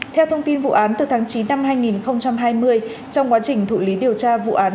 theo thông tin vụ án từ tháng chín năm hai nghìn hai mươi trong quá trình thụ lý điều tra vụ án